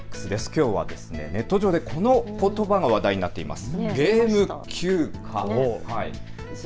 きょうはネット上でこのことばが話題になっています。